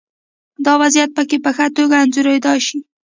دا وضعیت پکې په ښه توګه انځورېدای شي.